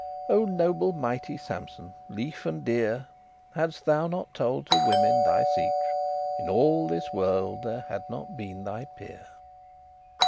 O noble mighty Sampson, lefe* and dear, *loved Hadst thou not told to women thy secre, In all this world there had not been thy peer.